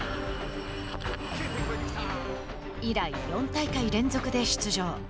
以来、４大会連続で出場。